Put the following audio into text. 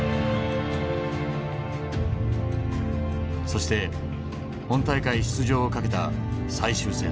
そして本大会出場を懸けた最終戦。